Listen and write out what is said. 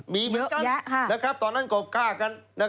มีเหมือนกันตอนนั้นก็ฆ่ากัน